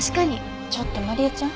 ちょっとまり枝ちゃん。